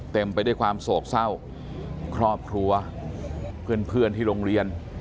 ไปด้วยความโศกเศร้าครอบครัวเพื่อนที่โรงเรียน